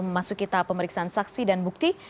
memasuki tahap pemeriksaan saksi dan bukti